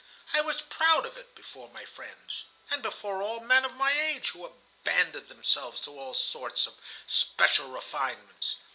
I was proud of it before my friends, and before all men of my age who abandoned themselves to all sorts of special refinements.